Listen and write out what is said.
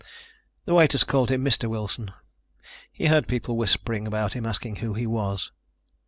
The waiters called him Mr. Wilson. He heard people whispering about him asking who he was.